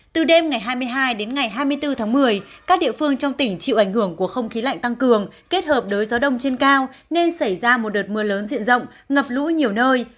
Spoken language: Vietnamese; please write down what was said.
từ đêm ngày hai mươi hai đến ngày hai mươi bốn tháng một mươi các địa phương trong tỉnh chịu ảnh hưởng của không khí lạnh tăng cường kết hợp đới gió đông trên cao nên xảy ra một đợt mưa lớn diện rộng ngập lũ nhiều nơi